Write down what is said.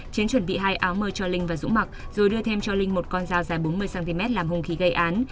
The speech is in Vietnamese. chiến chuẩn bị hai áo mơ cho linh và dũng mặc rồi đưa thêm cho linh một con dao dài bốn mươi cm làm hung khí gây án